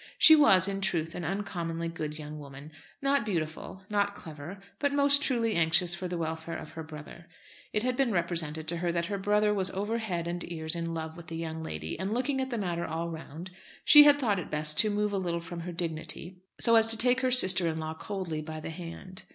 She was, in truth, an uncommonly good young woman; not beautiful, not clever, but most truly anxious for the welfare of her brother. It had been represented to her that her brother was over head and ears in love with the young lady, and looking at the matter all round, she had thought it best to move a little from her dignity so as to take her sister in law coldly by the hand.